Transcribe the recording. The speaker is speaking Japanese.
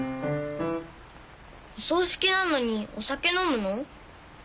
お葬式なのにお酒飲むの？